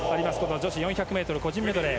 女子４００ｍ個人メドレー。